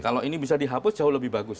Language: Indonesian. kalau ini bisa dihapus jauh lebih bagus